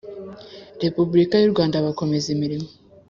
Repubulika y u Rwanda bakomeza imirimo